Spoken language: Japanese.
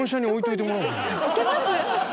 置けます？